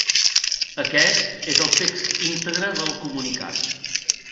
Aquest és el text integre del comunicat.